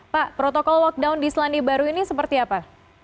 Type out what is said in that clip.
pak protokol lockdown di selandia baru ini seperti apa